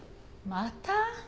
また？